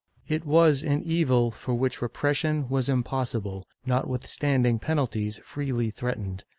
^ It was an evil of which repression was impossible, notwithstand ing penalties freely threatened.